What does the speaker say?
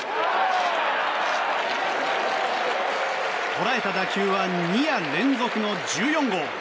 捉えた打球は２夜連続の１４号！